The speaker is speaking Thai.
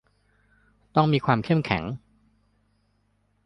ต้องมีความเข้มแข็ง